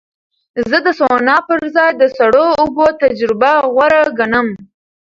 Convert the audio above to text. زه د سونا په ځای د سړو اوبو تجربه غوره ګڼم.